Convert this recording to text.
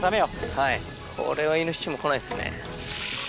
はいこれはイノシシも来ないっすね。